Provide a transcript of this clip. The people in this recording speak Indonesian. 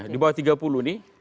di bawah tiga puluh